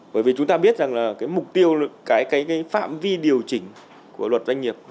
bởi vì chúng ta biết rằng mục tiêu phạm vi điều chỉnh của luật doanh nghiệp